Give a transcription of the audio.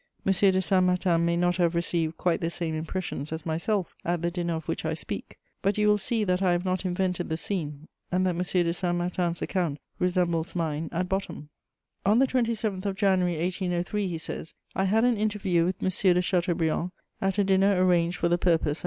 de Saint Martin may not have received quite the same impressions as myself at the dinner of which I speak; but you will see that I have not invented the scene, and that M. de Saint Martin's account resembles mine at bottom: "On the 27th of January 1803," he says, "I had an interview with M. de Chateaubriand at a dinner arranged for the purpose at M.